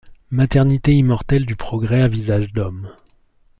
Maternité immortelle du progrès à visage d'homme.